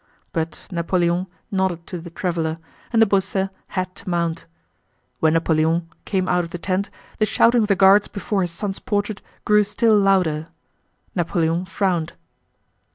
But Napoleon nodded to the traveler, and de Beausset had to mount. When Napoleon came out of the tent the shouting of the Guards before his son's portrait grew still louder. Napoleon frowned.